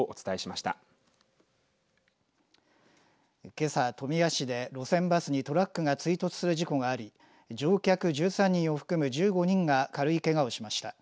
けさ、富谷市で路線バスにトラックが追突する事故があり乗客１３人を含む１５人が軽いけがをしました。